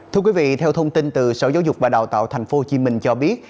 thưa quý vị theo thông tin từ sở giáo dục và đào tạo tp hcm cho biết